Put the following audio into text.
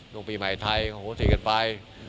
ทุกปีใหม่ไทยเอาโหสีกันไป